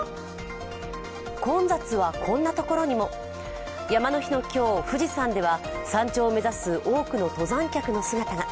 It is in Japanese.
混雑はこんなところにも、山の日の今日、富士山では、山頂を目指す多くの登山客の姿が。